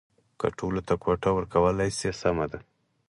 که ټولو ته کوټه ورکولای شي سمه ده.